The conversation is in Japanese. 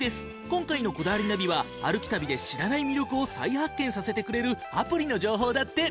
今回の『こだわりナビ』は歩き旅で知らない魅力を再発見させてくれるアプリの情報だって。